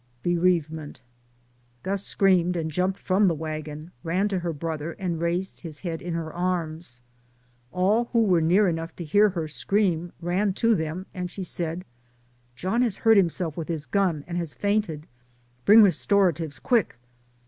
BEREAVEMENT. Gus screamed, jumped from the wagon, ran to her brother, and raised his head in her arms. All who were near enough to hear her scream ran to them and she said, "John has hurt himself with his gun and has fainted, bring restoratives quick."